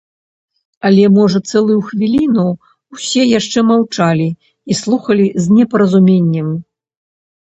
Але, можа, цэлую хвіліну ўсе яшчэ маўчалі і слухалі з непаразуменнем.